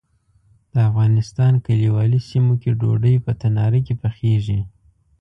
د افغانستان کلیوالي سیمو کې ډوډۍ په تناره کې پخیږي.